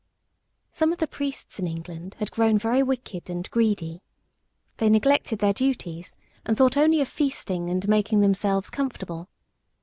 Some of the priests in England had grown very wicked and greedy. They neglected their duties and thought only of feasting and making themselves comfortable.